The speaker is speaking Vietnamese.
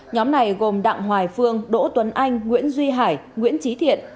nhóm này gồm đặng hoài phương đỗ tuấn anh nguyễn duy hải nguyễn trí thiện